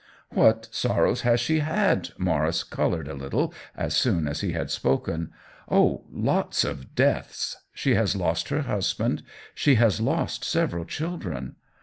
What sorrows has she had ?" Maurice colored a little as soon as he had spoken. " Oh, lots of deaths. She has lost her husband; she has lost several chil dren."